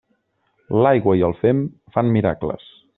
L'aigua i el fem fan miracles.